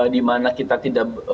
di mana kita tidak